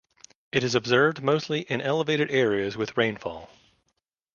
It is observed mostly in elevated areas with rainfall.